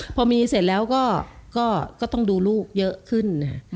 พอมีเสร็จแล้วก็ต้องดูลูกเยอะขึ้น